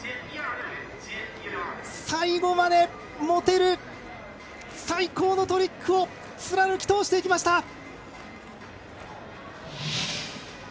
最後まで持てる最高のトリックを貫き通していきました。